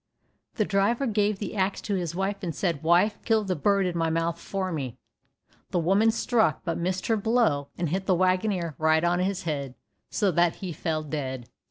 The driver gave the axe to his wife, and said, "Wife, kill the bird in my mouth for me." The woman struck, but missed her blow, and hit the waggoner right on his head, so that he fell dead.